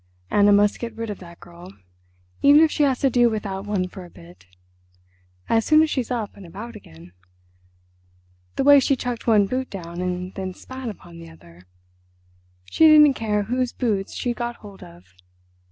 Anna must get rid of that girl—even if she has to do without one for a bit—as soon as she's up and about again. The way she chucked one boot down and then spat upon the other! She didn't care whose boots she'd got hold of.